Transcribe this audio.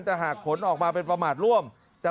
แต่หากผลออกมาเป็นประมาทร่วม